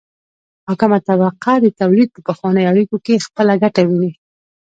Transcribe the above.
حاکمه طبقه د تولید په پخوانیو اړیکو کې خپله ګټه ویني.